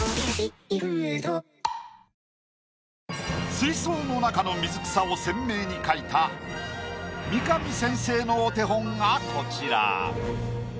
水槽の中の水草を鮮明に描いた三上先生のお手本がこちら。